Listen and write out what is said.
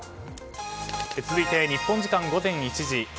続いて日本時間午前１時。